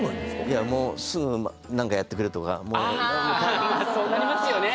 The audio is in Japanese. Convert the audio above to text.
いやもうすぐ「なんかやってくれ」とかあそうなりますよね